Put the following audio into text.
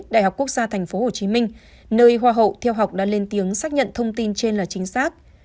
đại học quốc gia tp hcm nơi hoa hậu theo học đã lên tiếng xác nhận thông tin trên là chính xác